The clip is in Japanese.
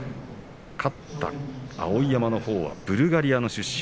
勝った碧山のほうはブルガリアの出身。